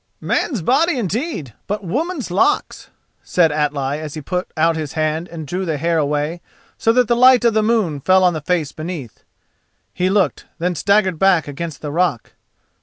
"Man's body indeed, but woman's locks," said Atli as he put out his hand and drew the hair away, so that the light of the moon fell on the face beneath. He looked, then staggered back against the rock.